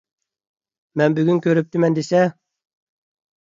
مەن بۈگۈن كۆرۈپتىمەن دېسە.